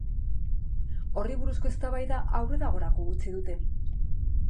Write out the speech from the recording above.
Horri buruzko eztabaida aurreragorako utzi dute.